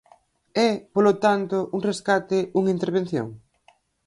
É, polo tanto, un rescate, unha intervención?